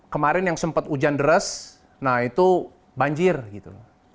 kemarin yang sempat hujan deras nah itu banjir gitu